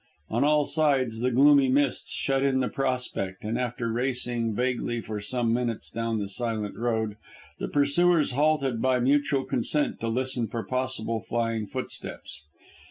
On all sides the gloomy mists shut in the prospect, and after racing vaguely for some minutes down the silent road, the pursuers halted by mutual consent to listen for possible flying footsteps.